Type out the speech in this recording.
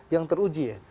yang teruji ya